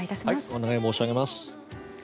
お願い申し上げます。